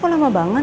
kok lama banget